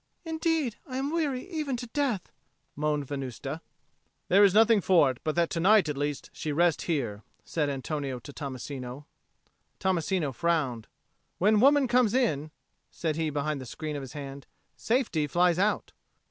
"Indeed I am weary even to death," moaned Venusta. "There is nothing for it but that to night at least she rest here," said Antonio to Tommasino. Tommasino frowned. "When woman comes in," said he behind the screen of his hand, "safety flies out."